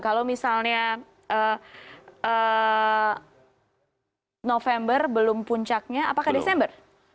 kalau misalnya november belum puncaknya apakah desember